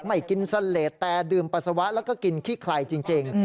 ไม่กินเสลดแต่ดื่มปัสสาวะแล้วก็กินขี้ไครจริง